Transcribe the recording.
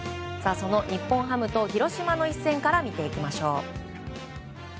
その日本ハムと広島の一戦から見ていきましょう。